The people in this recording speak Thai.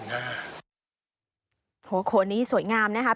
หัวโขนนี้สวยงามนะครับ